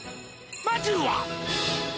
「まずは」